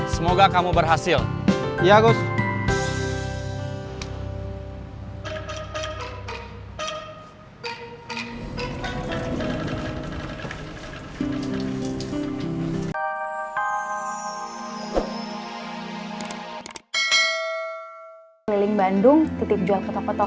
semoga kamu berhasil